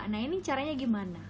nah ini caranya gimana